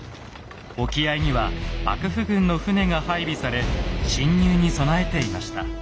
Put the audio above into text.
沖合には幕府軍の船が配備され侵入に備えていました。